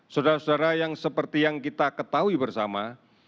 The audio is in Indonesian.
saudara saudara yang seperti yang kita ketahui bersama